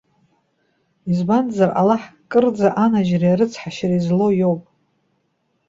Избанзар Аллаҳ кырӡа анажьреи арыцҳашьареи злоу иоуп.